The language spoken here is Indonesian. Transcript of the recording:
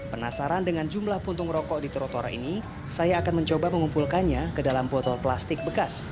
penasaran dengan jumlah puntung rokok di trotoar ini saya akan mencoba mengumpulkannya ke dalam botol plastik bekas